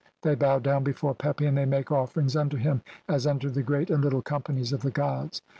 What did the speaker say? They bow down before Pepi, "and they make offerings unto him as unto the Great "and Little Companies of the gods."